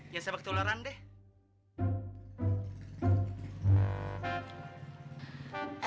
ya saya bakal tularan deh